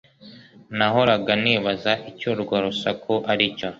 Nahoraga nibaza icyo urwo rusaku aricyo.